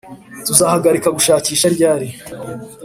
tuzahagarika gushakisha ryari